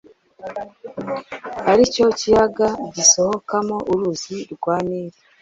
ari cyo kiyaga gisohokamo uruzi rwa Nili.